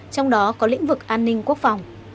trong đó có lĩnh vực an ninh quốc phòng